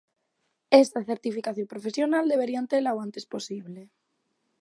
Esta certificación profesional deberían tela o antes posible.